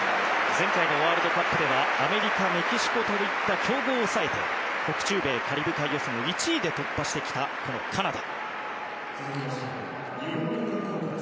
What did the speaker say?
前回のワールドカップではアメリカ、メキシコといった強豪を抑えて北中米カリブ海予選を１位で突破してきたこのカナダ。